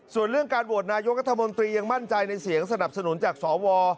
ส่วนเรื่องการโหวตนายกรัฐมนตรียังมั่นใจในเสียงสนับสนุนจากสว